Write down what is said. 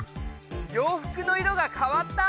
洋服の色が変わった！